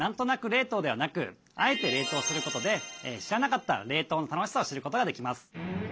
冷凍ではなく「あえて」冷凍することで知らなかった冷凍の楽しさを知ることができます。